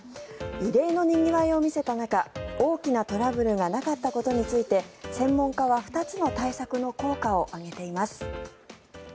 異例のにぎわいを見せた中大きなトラブルがなかったことについて専門家は２つの対策の効果を挙げています。